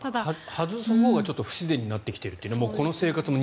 外すほうがちょっと不自然になってきているというのも。